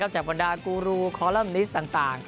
จากบรรดากูรูคอลัมนิสต์ต่าง